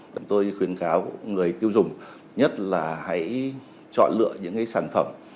bọn tôi khuyến cáo người tiêu dùng nhất là hãy chọn lựa những sản phẩm